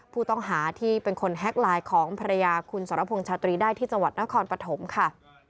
ผู้ต้องหาที่เป็นคนแฮ็กไลน์ของภรรยาคุณสรพงษ์ชาตรีได้ที่จังหวัดนครปฐมค่ะ